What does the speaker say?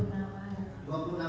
tanggal berangkat tadi